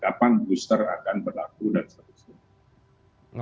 kapan booster akan berlaku dan seterusnya